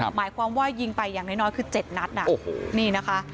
หมายความว่ายิงไปอย่างน้อยคือ๗นัดนี่นะคะ